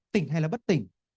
tỉnh hay là bất tỉnh